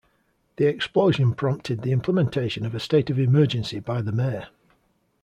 The explosion prompted the implementation of a state of emergency by the mayor.